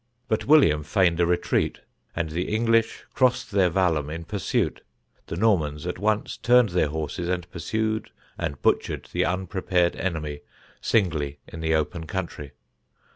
But William feigned a retreat, and the English crossed their vallum in pursuit. The Normans at once turned their horses and pursued and butchered the unprepared enemy singly in the open country.